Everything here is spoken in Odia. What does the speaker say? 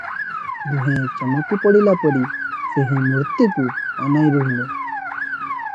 ଦୁହେଁ ଚମକି ପଡିଲାପରି ସେହି ମୂର୍ତ୍ତିକୁ ଅନାଇ ରହିଲେ ।